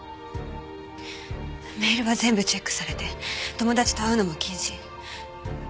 メールは全部チェックされて友達と会うのも禁止。